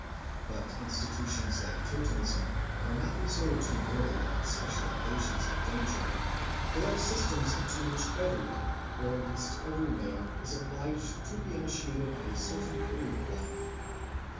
But institutions like totemism are not resorted to merely on special occasions of danger; they are systems into which every one, or at least every male, is obliged to be initiated at a certain period of life.